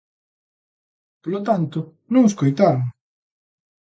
Polo tanto, non escoitaron.